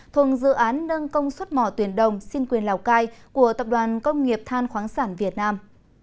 thuần dự án nâng công suất mỏ tuyển đồng xin quyền lào cai của tập đoàn công nghiệp than khoáng sản việt nam